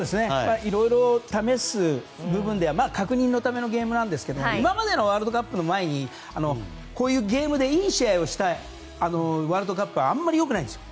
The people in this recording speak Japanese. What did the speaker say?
いろいろ試す部分では確認のためのゲームなんですが今までのワールドカップの前にこういうゲームでいい試合をしたワールドカップはあんまり良くないんです。